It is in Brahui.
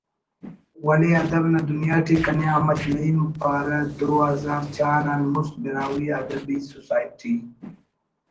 ولے ادب نا دنیا ٹی کنے احمد نعیم پارہ دو ہزار چار آن مُست براہوئی ادبی سوسائٹی